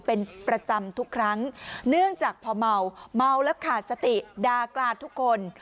เป็นประจำทุกครั้งเนื่องจากพอเมาเมาแล้วขาดสติดากราศทุกคน